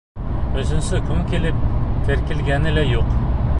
Өсөнсө көн килеп теркәлгәне лә юҡ.